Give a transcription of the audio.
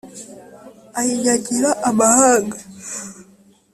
ayinyagira amahanga